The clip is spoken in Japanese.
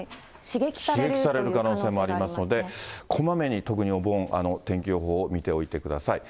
刺激される可能性もありますので、こまめに特にお盆、天気予報を見ておいてください。